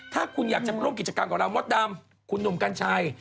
ถ้าคุณอยากจะมาร่วมกิจกรรมกับเรามดดำคุณหนุ่มกัญชัย